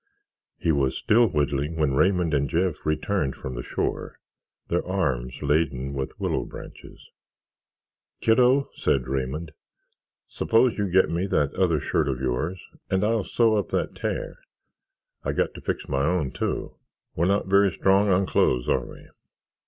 He was still whittling when Raymond and Jeff returned from the shore, their arms laden with willow branches. "Kiddo," he said to Raymond, "suppose you get me that other shirt of yours and I'll sew up that tear. I've got to fix my own, too. We're not very strong on clothes, are we?"